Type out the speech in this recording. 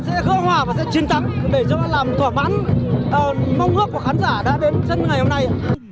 sẽ khơ hoả và sẽ chiến thắng để cho nó làm thỏa mãn mong ước của khán giả đã đến chân ngày hôm nay